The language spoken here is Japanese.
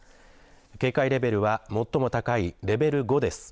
警戒レベルは最も高いレベル５です。